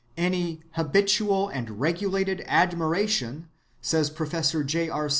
Any "habitual and regulated admiration," says Professor J. R.